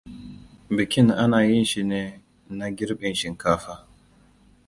Bikin anayin shi ne na girbin shinkafa.